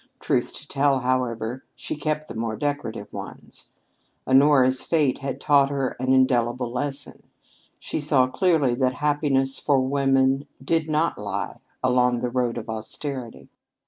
Truth to tell, however, she kept the more decorative ones. Honora's fate had taught her an indelible lesson. She saw clearly that happiness for women did not lie along the road of austerity.